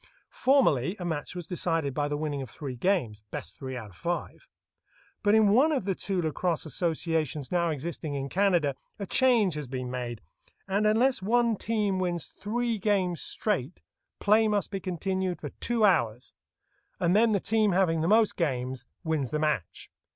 Formerly a match was decided by the winning of three games, "best three out of five;" but in one of the two lacrosse associations now existing in Canada a change has been made, and unless one team wins three games straight, play must be continued for two hours, and then the team having the most games wins the match.